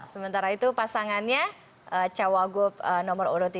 sementara itu pasangannya cawagup nomor urut tiga